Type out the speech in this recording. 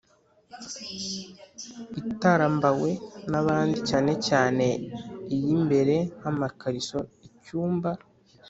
Itarambawe n abandi cyanecyane iy imbere nk amakariso icyumba